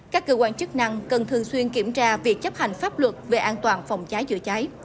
các cơ quan chức năng cần thường xuyên kiểm tra việc chấp hành pháp luật về an toàn phòng cháy chữa cháy